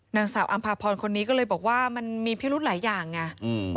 นางสาวอำภาพรคนนี้ก็เลยบอกว่ามันมีพิรุธหลายอย่างไง